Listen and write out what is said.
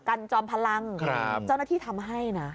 จอมพลังเจ้าหน้าที่ทำให้นะ